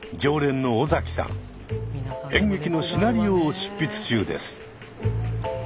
演劇のシナリオを執筆中です。